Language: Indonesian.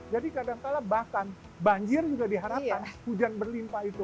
jadi kadangkala bahkan banjir juga diharapkan hujan berlimpah itu